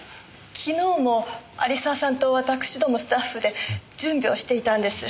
昨日も有沢さんと私どもスタッフで準備をしていたんです。